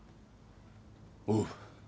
おう。